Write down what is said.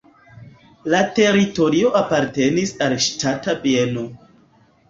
La teritorio apartenis al ŝtata bieno.